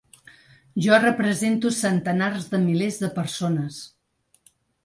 Jo represento centenars de milers de persones!